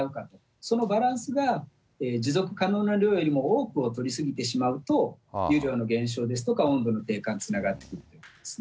そのバランスが持続可能な量よりも多く取り過ぎてしまうと湯量の減少ですとか、温度の低下につながっていくんですね。